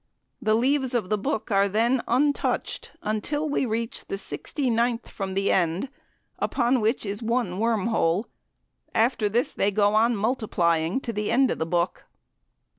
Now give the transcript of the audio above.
The leaves of the book are then untouched until we reach the sixty ninth from the end, upon which is one worm hole. After this they go on multiplying to the end of the book.